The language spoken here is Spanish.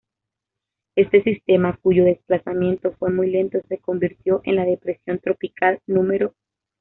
Este sistema cuyo desplazamiento fue muy lento, se convirtió en la Depresión Tropical No.